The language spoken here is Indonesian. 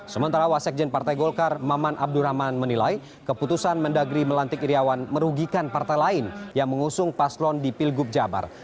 sementara wasekjen partai golkar maman abdurrahman menilai keputusan mendagri melantik iryawan merugikan partai lain yang mengusung paslon di pilgub jabar